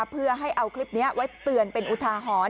เพื่อให้เอาคลิปนี้ไว้เตือนเป็นอุทาหรณ์